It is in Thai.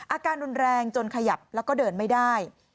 อาการรุนแรงจนขยับแล้วก็เดินไม่ได้